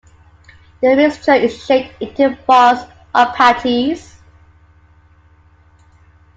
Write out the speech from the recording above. The mixture is shaped into balls or patties.